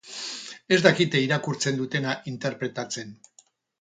Ez dakite irakurtzen dutena interpretatzen.